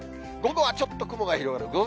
午後はちょっと雲が広がる。